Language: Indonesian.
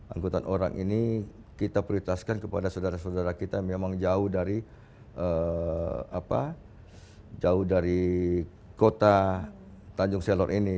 angkutan orang ini kita peritaskan kepada saudara saudara kita memang jauh dari kota tanjung selor ini